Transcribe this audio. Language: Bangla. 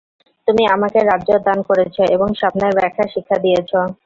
তুমি আমাকে রাজ্য দান করেছ এবং স্বপ্নের ব্যাখ্যা শিক্ষা দিয়েছ।